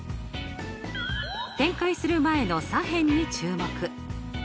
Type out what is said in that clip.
展開する前の左辺に注目。